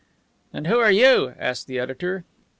"And who are you?" asked the editor.